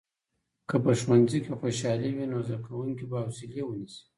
که په ښوونځي کې خوشالي وي، نو زده کوونکي به حوصلې ونیسي.